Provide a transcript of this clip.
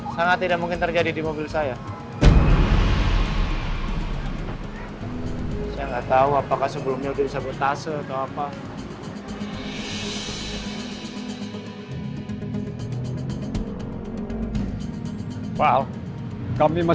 sangat tidak mungkin terjadi di mobil saya